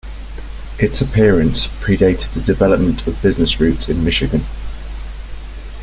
Its appearance predated the development of business routes in Michigan.